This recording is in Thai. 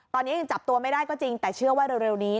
ตอนนี้ยังจับตัวไม่ได้ก็จริงแต่เชื่อว่าเร็วนี้